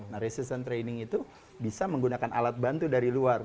nah resistant training itu bisa menggunakan alat bantu dari luar